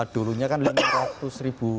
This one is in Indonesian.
dulunya kan lima ratus ribu